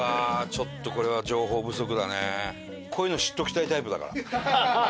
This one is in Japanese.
ちょっとこれはこういうの知っておきたいタイプだから。